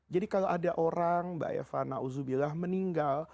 jadi kalau ada orang mbak yafana uzzubillah meninggal